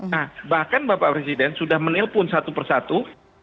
nah bahkan bapak presiden sudah menelpon satu persatu